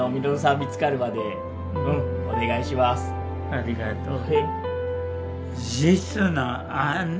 ありがとう。